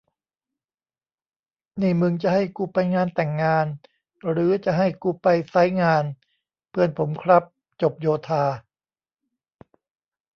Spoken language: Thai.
นี่มึงจะให้กูไปงานแต่งงาน หรือจะให้กูไปไซต์งาน ? เพื่อนผมครับจบโยธา